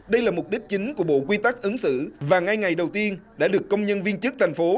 đây là mục đích chính của bộ quy tắc ứng xử và ngay ngày đầu tiên đã được công nhân viên chức thành phố